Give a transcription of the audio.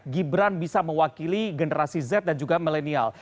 gibran bisa mewakili generasi z dan juga milenial